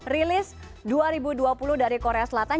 rilis dua ribu dua puluh dari korea selatan